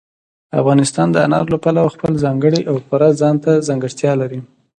افغانستان د انارو له پلوه خپله ځانګړې او پوره ځانته ځانګړتیا لري.